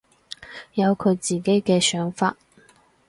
有佢自己嘅想法